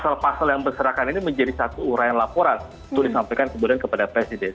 pasal pasal yang berserakan ini menjadi satu urayan laporan itu disampaikan kemudian kepada presiden